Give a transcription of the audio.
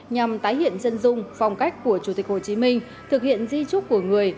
nhằm tái hiện dân dung phong cách của chủ tịch hồ chí minh thực hiện di trúc của người